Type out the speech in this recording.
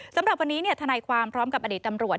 สำหรับวันนี้ทนายความพร้อมกับอดีตตำรวจ